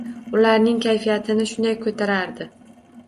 Uarning kayfiyatini shunday koʻtarardi.